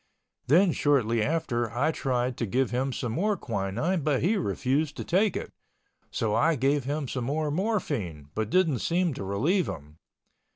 Then shortly after I tried to give him some more quinine but he refused to take it, so I gave him some more morphine, but didn't seem to relieve him.